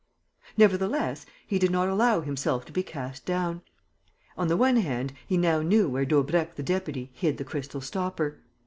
Nevertheless, he did not allow himself to be cast down. On the one hand, he now knew where Daubrecq the deputy hid the crystal stopper.